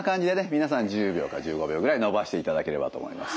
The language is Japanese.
皆さん１０秒か１５秒ぐらい伸ばしていただければと思います。